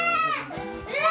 うわ！